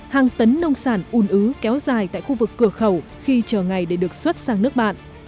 hàng tấn nông sản un ứ kéo dài tại khu vực cửa khẩu khi chờ ngày để được xuất sang nước bạn